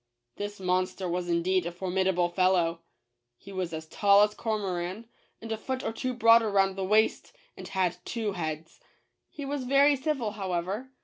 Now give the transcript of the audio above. This monster was indeed a formidable fellow. He was as tall as Cormoran, and a foot or two broader round the waist, and had two heads. He was very civil, however.